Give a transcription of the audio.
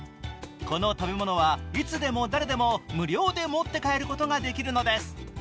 この食べ物はいつでも誰でも無料で持って帰ることができるのです。